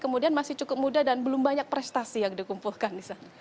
kemudian masih cukup muda dan belum banyak prestasi yang dikumpulkan di sana